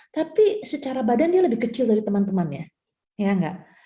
tapi secara badan dia lebih kecil dari teman temannya ya enggak